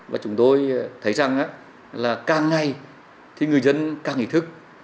và chúng tôi thấy rằng là càng ngày thì người dân càng ý thức